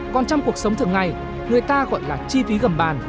còn trong cuộc sống thường ngày người ta gọi là chi phí gầm bàn